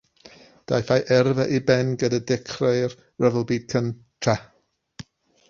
Daeth ei yrfa i ben gyda dechrau'r Rhyfel Byd Cyntaf.